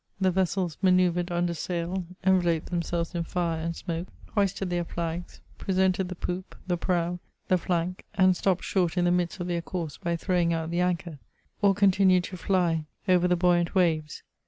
The vessels manceuvred under sail, enveloped themselves in fire and smoke, hoisted their flags, presented the poop, the prow, the flank, and stopped short in the midst of their course by throwing out the anchor, or continued to fly over the buoyant VOL. I. I 114 MEMOIRS OF waves.